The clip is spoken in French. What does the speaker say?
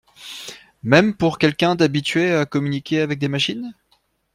Même pour quelqu’un d’habitué à communiquer avec des machines?